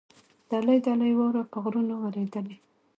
دلۍ دلۍ واوره په غرونو ورېدلې.